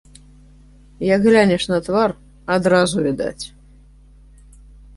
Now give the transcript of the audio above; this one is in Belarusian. Як глянеш на твар, адразу відаць.